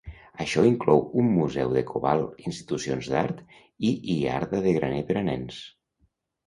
Això inclou un museu de cobalt, institucions d'art i iarda de graner per a nens.